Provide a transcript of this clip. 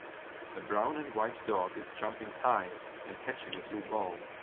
A brown and white dog is jumping high and catching a blue ball.